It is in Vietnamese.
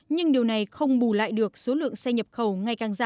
nhưng điều này không bù lại được số lượng xe nhập khẩu ngày càng giảm